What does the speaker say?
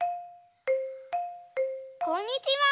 こんにちは。